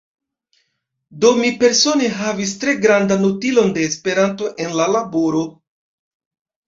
Do mi persone havis tre grandan utilon de Esperanto en la laboro.